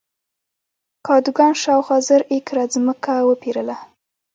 کادوګان شاوخوا زر ایکره ځمکه وپېرله.